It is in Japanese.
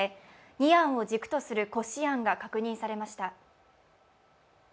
２案を軸とする骨子案が確認されました。